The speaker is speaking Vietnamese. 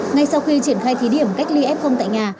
ngay sau khi triển khai thí điểm cách ly ép không tại nhà